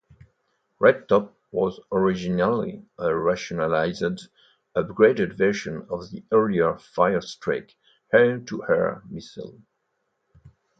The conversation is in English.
Red Top was originally a rationalised, upgraded version of the earlier Firestreak air-to-air missile.